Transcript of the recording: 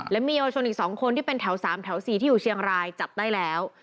และมีเยาวชนอีก๒คนที่เป็นแถว๓แถว๔ที่อยู่เชียงรายจับได้แล้ว